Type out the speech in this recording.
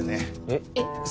えっ？